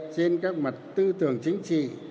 trên các mặt tư tưởng chính trị